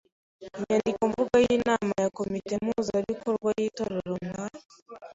Inyandikomvugo y’inama ya komite mpuzabikorwa y’Intore na